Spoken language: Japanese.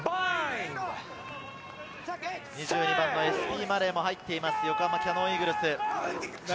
２２番のエスピー・マレーも入っています、横浜キヤノンイーグルス。